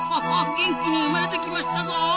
元気に生まれてきましたぞ！